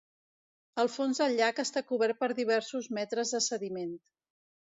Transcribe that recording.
El fons del llac està cobert per diversos metres de sediment.